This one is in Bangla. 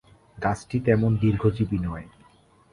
গাছটি তেমন দীর্ঘজীবী নয়।